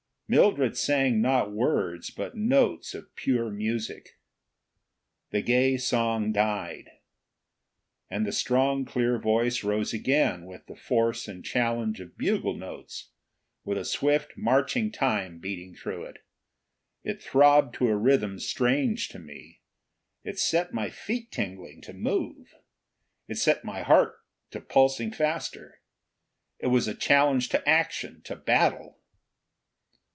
Mildred sang not words but notes of pure music. The gay song died. And the strong clear voice rose again with the force and challenge of bugle notes, with a swift marching time beating through it. It throbbed to a rhythm strange to me. It set my feet tingling to move; it set my heart to pulsing faster. It was a challenge to action, to battle.